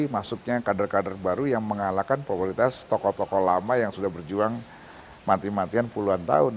masuknya kader kader baru yang mengalahkan popularitas tokoh tokoh lama yang sudah berjuang mati matian puluhan tahun